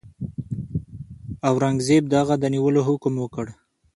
اورنګزېب د هغه د نیولو حکم وکړ.